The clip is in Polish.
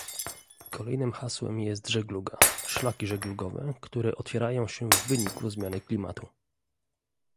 Kolejnym hasłem jest żegluga, szlaki żeglugowe, które otwierają się w wyniku zmiany klimatu